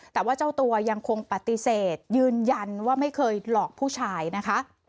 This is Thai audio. แต่ว่าเจ้าตัวยังคงปฏิเสธยืนยันว่าไม่เคยหลอกผู้ชายนะคะ